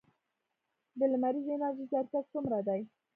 د لمریزې انرژۍ ظرفیت څومره دی؟